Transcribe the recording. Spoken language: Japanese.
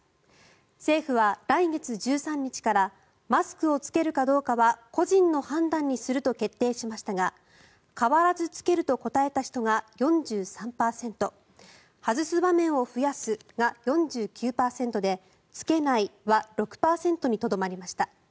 政府は来月１３日からマスクを着けるかどうかは個人の判断にすると決定しましたが変わらず着けると答えた人が４３％外す場面を増やすが４９％で着けないは６％にとどまりました。